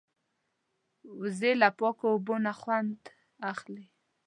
وزې له پاکو اوبو نه خوند اخلي